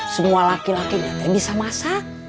semua laki lakinya tidak bisa masak